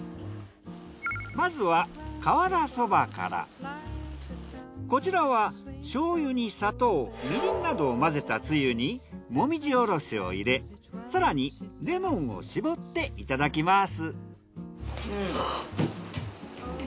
まずはこちらはしょうゆに砂糖みりんなどを混ぜたつゆにもみじおろしを入れ更にレモンを搾っていただきます。